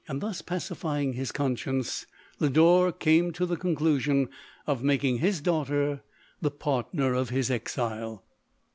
Thus pacifying his conscience, Lodore came to the condition of making his daughter the partner of his exile.